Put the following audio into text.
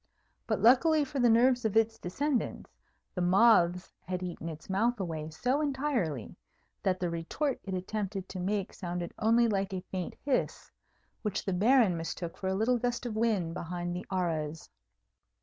But, luckily for the nerves of its descendant, the moths had eaten its mouth away so entirely, that the retort it attempted to make sounded only like a faint hiss, which the Baron mistook for a little gust of wind behind the arras.